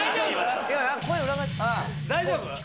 大丈夫？